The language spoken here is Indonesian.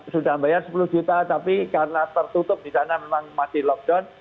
sudah membayar sepuluh juta tapi karena tertutup di sana memang masih lockdown